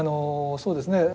そうですね。